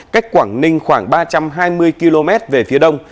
cách quảng ninh khoảng ba trăm hai mươi km về phía đông